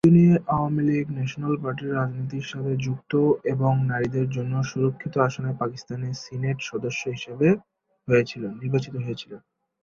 তিনি আওয়ামী ন্যাশনাল পার্টির রাজনীতির সাথে যুক্ত এবং নারীদের জন্য সংরক্ষিত আসনে পাকিস্তানের সিনেট সদস্য নির্বাচিত হয়েছিলেন।